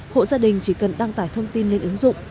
hộ gia đình chỉ cần đăng tải thông tin lên ứng dụng